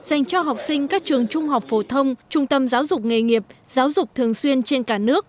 dành cho học sinh các trường trung học phổ thông trung tâm giáo dục nghề nghiệp giáo dục thường xuyên trên cả nước